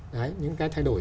đấy những cái thay đổi